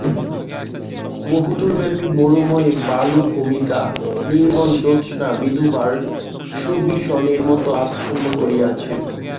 বহুদূরব্যাপী মরুময় বালুভূমিকে নির্মল জ্যোৎস্না বিধবার শুবিসনের মতো আচ্ছন্ন করিয়াছে।